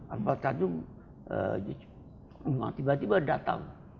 akbar tanjung tiba tiba datang